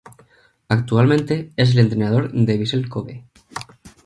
Actualmente es el entrenador del Vissel Kobe.